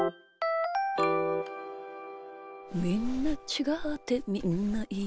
「みんなちがってみんないいな」